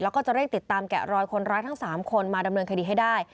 แล้วก็จะเร่งติดตามแกะรอยคนร้ายทั้ง๓คนมาดำเนินคดีให้ได้